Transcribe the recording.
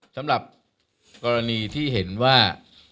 สำหรับกรณีที่เห็นว่า